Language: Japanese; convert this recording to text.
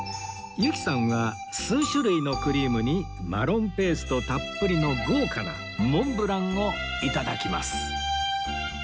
由紀さんは数種類のクリームにマロンペーストたっぷりの豪華なモンブランを頂きます